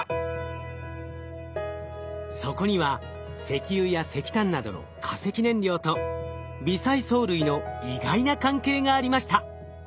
そこには石油や石炭などの化石燃料と微細藻類の意外な関係がありました。